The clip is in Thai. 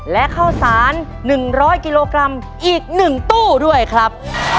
และข้าวสาร๑๐๐กิโลกรัมอีก๑ตู้ด้วยครับ